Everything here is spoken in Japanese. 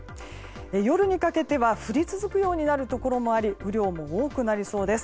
夜にかけては降り続くようになるところもあり雨量も多くなりそうです。